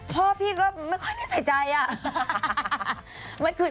พ่อพี่ก็ไม่ค่อยได้ใส่ใจอะ